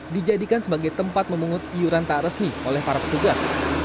dijadikan sebagai tempat memungut iuran tak resmi oleh para petugas